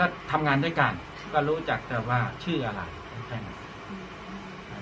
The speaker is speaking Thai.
ก็ทำงานด้วยกันก็รู้จักแต่ว่าชื่ออะไรแค่นั้น